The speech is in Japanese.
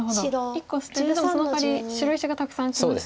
１個捨ててでもそのかわり白石がたくさんきますよね。